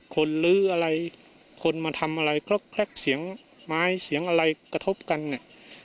ลื้ออะไรคนมาทำอะไรคลอกเสียงไม้เสียงอะไรกระทบกันเนี่ย